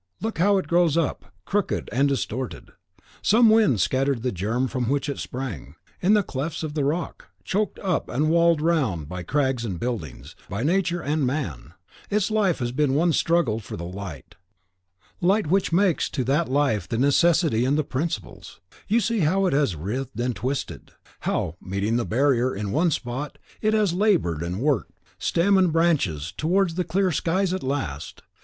Look how it grows up, crooked and distorted. Some wind scattered the germ from which it sprang, in the clefts of the rock; choked up and walled round by crags and buildings, by Nature and man, its life has been one struggle for the light, light which makes to that life the necessity and the principle: you see how it has writhed and twisted; how, meeting the barrier in one spot, it has laboured and worked, stem and branches, towards the clear skies at last.